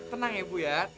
tenang ya bu ya